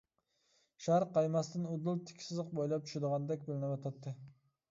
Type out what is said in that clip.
شار قايماستىن ئۇدۇل تىك سىزىق بويلاپ چۈشىدىغاندەك بىلىنىۋاتىدۇ.